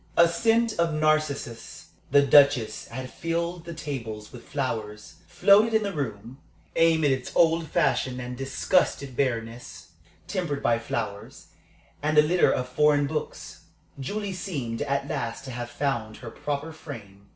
A scent of narcissus the Duchess had filled the tables with flowers floated in the room. Amid its old fashioned and distinguished bareness tempered by flowers, and a litter of foreign books Julie seemed at last to have found her proper frame.